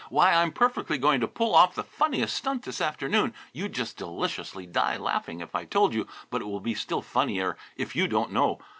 Why, I'm perfectly going to pull off the funniest stunt this afternoon; you'd just deliciously die laughing if I told you, but it will be still funnier if you don't know.